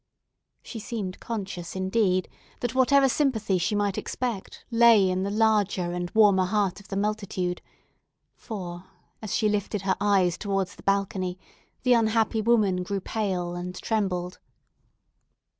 She seemed conscious, indeed, that whatever sympathy she might expect lay in the larger and warmer heart of the multitude; for, as she lifted her eyes towards the balcony, the unhappy woman grew pale, and trembled.